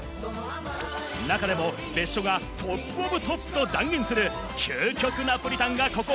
中でも別所がトップｏｆトップと断言する究極ナポリタンがここ